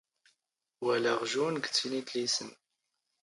ⵡⴰⵍⴰⵖ ⵊⵓⵏ ⴳ ⵜⵉⵏⵉⴷⵍⵉⵙⵏ.